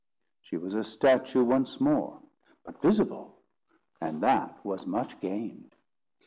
She was a statue once more—but visible, and that was much gained.